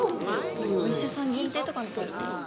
やっぱりお医者さん限定とかのパーティー？